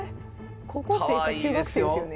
高校生か中学生ですよね。